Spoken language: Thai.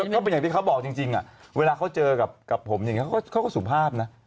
ก็เป็นอย่างที่เขาบอกจริงเวลาเขาเจอกับผมอย่างนี้เขาก็สุภาพนะ